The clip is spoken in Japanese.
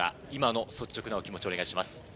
率直な気持ちをお願いします。